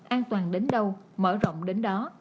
an toàn đến đâu mở rộng đến đó